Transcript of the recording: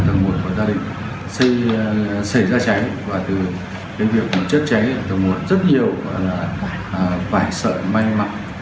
tầng một của gia đình xảy ra cháy và từ cái việc chất cháy tầng một rất nhiều vải sợi may mặn